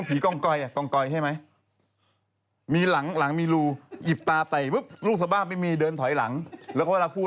เพียงเอาอะไรพอให้ได้ไม่ไม่ลองมีรูเสุยาไปมึบหลูตามไปมีเดินถอยหลังแล้วเวลาควิว